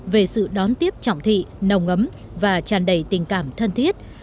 về sự đón tiếp trọng thị nồng ấm và tràn đầy tình cảm thân thiết